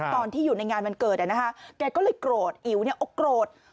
ตอนที่อยู่ในงานวันเกิดแกก็เลยโกรธอิ๋วเนี่ยอกโกรธ